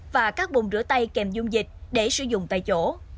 và các buồn rửa tay kèm dung dịch để sử dụng tại chỗ